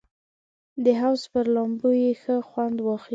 د حوض پر لامبو یې ښه خوند واخیست.